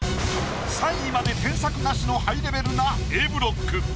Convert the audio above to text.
３位まで添削なしのハイレベルなＡブロック。